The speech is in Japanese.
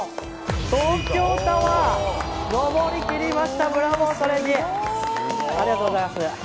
東京タワー上りきりましたブラボートレンディーありがとうございます